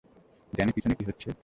Danny, পেছনে কী হচ্ছে?